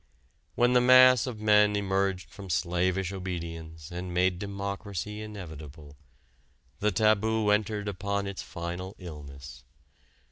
When the mass of men emerged from slavish obedience and made democracy inevitable, the taboo entered upon its final illness.